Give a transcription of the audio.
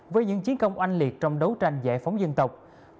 với những chiến công oanh liệt trong đấu tranh giải phóng dân tộc